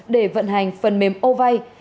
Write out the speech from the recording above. để vận hành phần mềm ovai